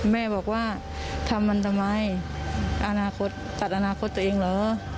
แม่บอกว่าทำมันทำไมอนาคตตัดอนาคตตัวเองเหรอ